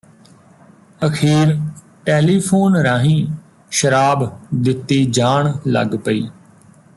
ਅਖ਼ੀਰ ਟੈਲੀਫੋਨ ਰਾਹੀਂ ਸ਼ਰਾਬ ਦਿੱਤੀ ਜਾਣ ਲੱਗ ਪਈ